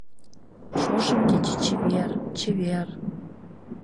Шошым кече чевер, чевер